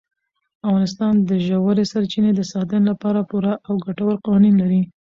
افغانستان د ژورې سرچینې د ساتنې لپاره پوره او ګټور قوانین لري.